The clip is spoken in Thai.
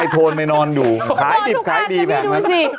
โทรนไปนอนอยู่ขายดีแบบนั้น